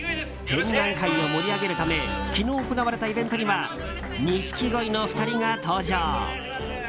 展覧会を盛り上げるため昨日行われたイベントには錦鯉の２人が登場。